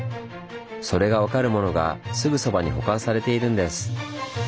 それが分かるものがすぐそばに保管されているんです。